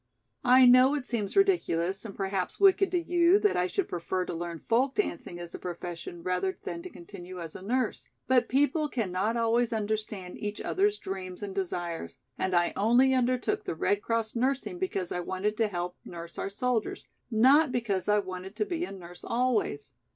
I know it seems ridiculous and perhaps wicked to you that I should prefer to learn folk dancing as a profession rather than to continue as a nurse. But people cannot always understand each other's dreams and desires and I only undertook the Red Cross nursing because I wanted to help nurse our soldiers, not because I wanted to be a nurse always.